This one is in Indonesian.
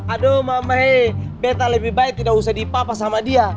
aduh mamere beta lebih baik tidak usah dipapa sama dia